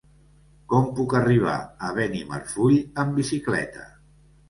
Com puc arribar a Benimarfull amb bicicleta?